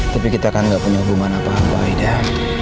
tapi kita kan gak punya hubungan apa apa aja